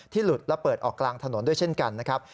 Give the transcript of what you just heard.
หลุดและเปิดออกกลางถนนด้วยเช่นกันนะครับ